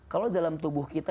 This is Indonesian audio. kalau dalam tubuh kita